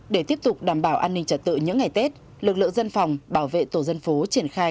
để tiếp tục đảm bảo an ninh trật tự những ngày tết lực lượng dân phòng bảo vệ tổ dân phố triển khai